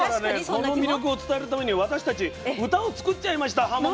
この魅力を伝えるために私たち歌を作っちゃいましたはもの。